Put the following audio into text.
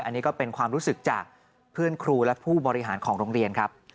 อันนี้ก็เป็นความรู้สึกจากเพื่อนครูและผู้บริหารของโรงเรียนครับ